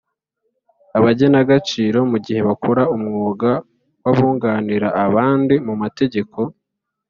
Abagenagaciro mu gihe bakora umwuga w’abunganira abandi mu mategeko